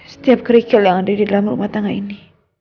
setiap kerikil yang ada di dalam rumah tangga ini